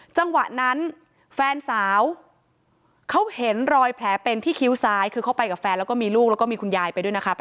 จังหวะนั้นแฟนสาวเขาเห็นรอยแผลเป็นที่คิ้วซ้ายคือเขาไปกับแฟนแล้วก็มีลูกแล้วก็มีคุณยายไปด้วยนะคะ